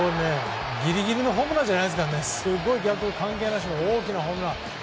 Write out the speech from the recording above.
ギリギリのホームランじゃなくて逆風関係なしの大きなホームラン。